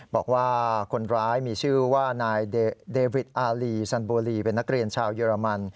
บอกว่าคนร้ายมีชื่อว่านายเดวิดอารีซันโบลีเป็นนักเรียนชาวเยอรมัน